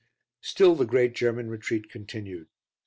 Still the great German retreat continued.